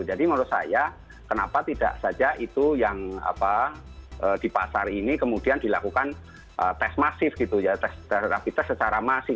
jadi menurut saya kenapa tidak saja itu yang di pasar ini kemudian dilakukan tes masif gitu ya tes terapitas secara masif